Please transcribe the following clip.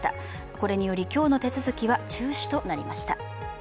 これにより今日の手続きは中止となりました。